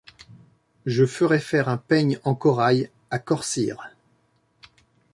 Je ferai faire un peigne en corail à Corcyre